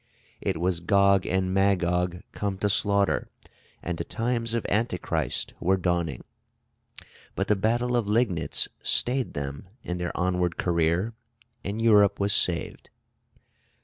It was Gog and Magog come to slaughter, and the times of Antichrist were dawning. But the battle of Liegnitz stayed them in their onward career, and Europe was saved.